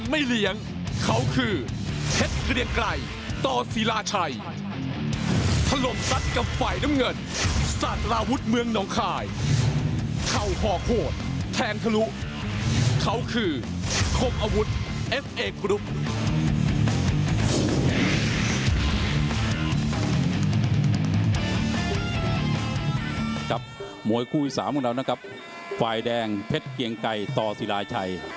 มวยคู่อีก๓ของเรานะครับฝ่ายแดงเพชรเกียงไกรต่อศิราชัย